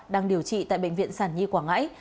đang điều trị tại bệnh viện sản nhi quảng ngãi